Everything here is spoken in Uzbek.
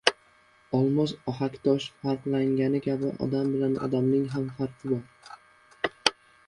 • Olmos ohaktoshdan farqlangani kabi, odam bilan odamning ham farqi bor.